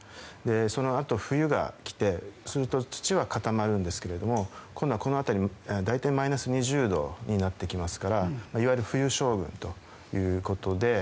そのあと、冬が来てすると土は固まるんですが今度はこの辺り大体マイナス２０度になってきますからいわゆる冬将軍ということで。